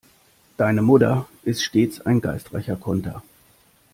Deine Mutter ist stets ein geistreicher Konter.